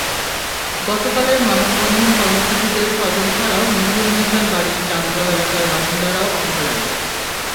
গতকালের মানববন্ধন কর্মসূচিতে স্বজন ছাড়াও মেহেরুন্নেছার বাড়ি চান্দগাঁও এলাকার বাসিন্দারাও অংশ নেন।